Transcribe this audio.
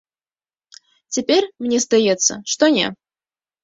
Цяпер, мне здаецца, што не.